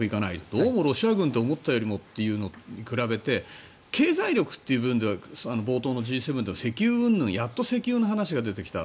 どうもロシア軍って思ったよりもというのに比べて経済力っていう部分では冒頭の、Ｇ７でやっと石油の話が出てきた。